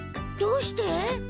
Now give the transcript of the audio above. どうして？